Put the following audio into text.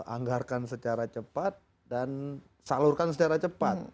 anggarkan secara cepat dan salurkan secara cepat